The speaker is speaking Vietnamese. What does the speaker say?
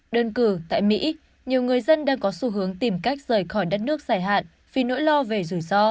đơn cử tại mỹ nhiều người dân đang có xu hướng tìm cách rời khỏi đất nước dài hạn vì nỗi lo về rủi ro